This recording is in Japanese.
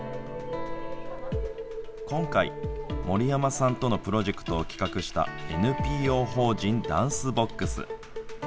今回、森山さんとのプロジェクトを企画したＮＰＯ法人ダンスボックス。